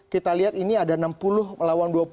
kita lihat ini ada enam puluh melawan dua puluh